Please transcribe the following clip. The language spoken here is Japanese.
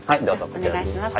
じゃお願いします。